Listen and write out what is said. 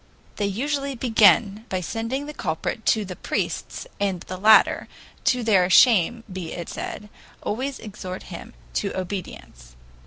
They usually begin by sending the culprit to the priests, and the latter, to their shame be it said, always exhort him to obedience.